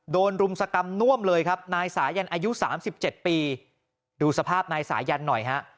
รุมสกรรมน่วมเลยครับนายสายันอายุ๓๗ปีดูสภาพนายสายันหน่อยฮะ